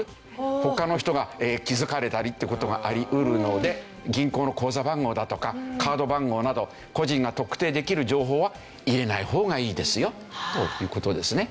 他の人が気づかれたりって事があり得るので銀行の口座番号だとかカード番号など個人が特定できる情報は入れない方がいいですよという事ですね。